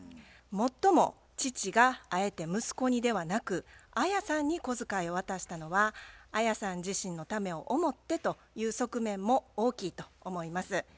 もっとも父があえて息子にではなくアヤさんに小遣いを渡したのはアヤさん自身のためを思ってという側面も大きいと思います。